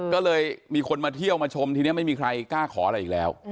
ก็เลยมีคนมาเที่ยวมาชมทีนี้ไม่มีใครกล้าขออะไรอีกแล้ว